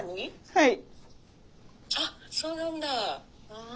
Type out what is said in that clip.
はい。